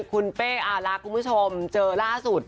คุณเป้อารักคุณผู้ชมเจอล่าสุด